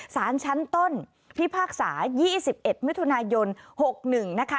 สารชั้นต้นพิพากษา๒๑มิถุนายน๖๑นะคะ